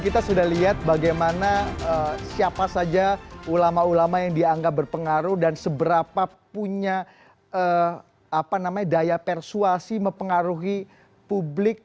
kita sudah lihat bagaimana siapa saja ulama ulama yang dianggap berpengaruh dan seberapa punya daya persuasi mempengaruhi publik